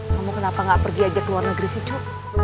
kamu kenapa gak pergi aja ke luar negeri sih cuk